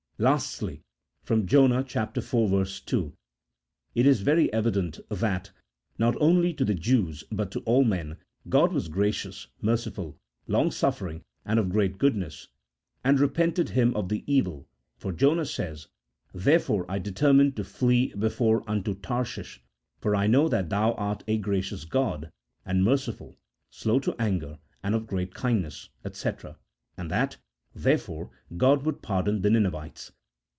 Lastly, from Jonah iv. 2, it is very evident that, not only to the Jews but to all men, God was gracious, merciful, long suffering, and of great goodness, and repented Him of the evil, for Jonah says :" Therefore I determined to flee before unto Tarshish, for I know that Thou art a gracious God, and merciful, slow to anger, and of great kindness," &c, and that, therefore, God would pardon the Ninevites.